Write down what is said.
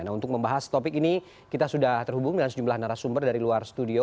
nah untuk membahas topik ini kita sudah terhubung dengan sejumlah narasumber dari luar studio